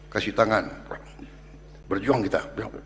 kasih tangan berjuang kita